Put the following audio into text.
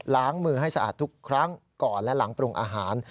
ล้างมือให้สะอาดทุกครั้งก่อนและหลังปรุงอาหาร